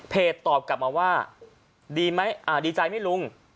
เพจตอบกลับมาว่าดีไหมอ่าดีใจไม่ลุง